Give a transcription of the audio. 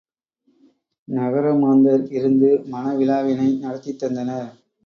நகரமாந்தர் இருந்து மண விழாவினை நடத்தித் தந்தனர்.